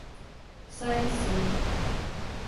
Science centra.